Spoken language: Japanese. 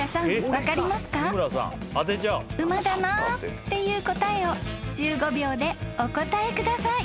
［馬だなっていう答えを１５秒でお答えください］